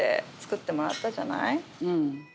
うん。